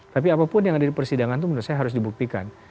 tapi apapun yang ada di persidangan itu menurut saya harus dibuktikan